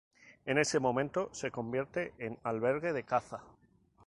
En ese momento se convierte en albergue de caza.